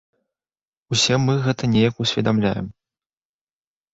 Усе мы гэта неяк усведамляем.